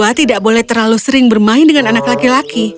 bapak tidak boleh terlalu sering bermain dengan anak laki laki